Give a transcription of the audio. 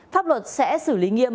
pháp luật sẽ xử lý nghiêm